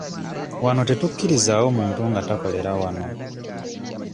Wano tetukkirizaawo muntu nga takolera wano.